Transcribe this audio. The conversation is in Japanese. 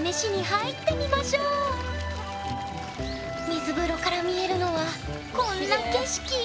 水風呂から見えるのはこんな景色きれい！